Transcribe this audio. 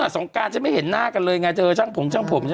สงการฉันไม่เห็นหน้ากันเลยไงเธอช่างผงช่างผม